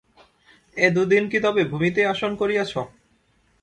এ দুদিন কি তবে ভূমিতেই আসন করিয়াছ?